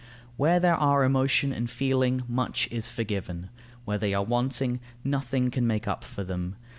Where there are emotion and feeling, much is forgiven; where they are wanting, nothing can make up for them.